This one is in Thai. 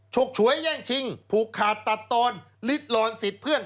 ฉกฉวยแย่งชิงผูกขาดตัดตอนลิดลอนสิทธิ์เพื่อน